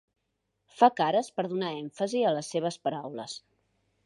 Fa cares per donar èmfasi a les seves paraules.